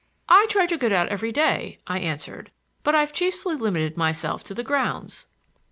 "I try to get out every day," I answered. "But I've chiefly limited myself to the grounds."